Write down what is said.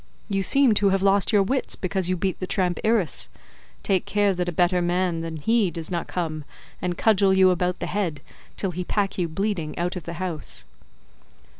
You seem to have lost your wits because you beat the tramp Irus; take care that a better man than he does not come and cudgel you about the head till he pack you bleeding out of the house."